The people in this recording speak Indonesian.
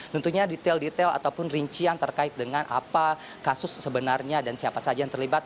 tentunya detail detail ataupun rincian terkait dengan apa kasus sebenarnya dan siapa saja yang terlibat